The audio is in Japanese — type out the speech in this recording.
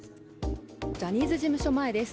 ジャニーズ事務所前です